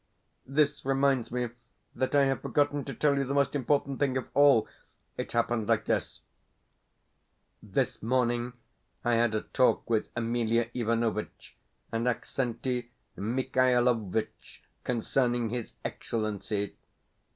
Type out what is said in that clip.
This reminds me that I have forgotten to tell you the most important thing of all. It happened like this: This morning I had a talk with Emelia Ivanovitch and Aksenti Michaelovitch concerning his Excellency.